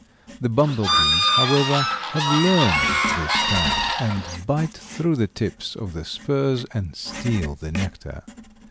The bumblebees, however, have learned this fact, and bite through the tips of the spurs and steal the nectar.